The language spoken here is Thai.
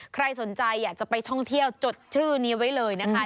ใครสนใจอยากจะไปท่องเที่ยวจดชื่อนี้ไว้เลยนะคะ